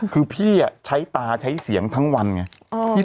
คือพี่ใช้ตาใช้เสียงทั้งวันไง